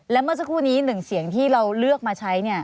และเมื่อสักครู่นี้๑เสียงที่เราเลือกมาใช้